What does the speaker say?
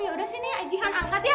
yaudah sini ya ijihan angkat ya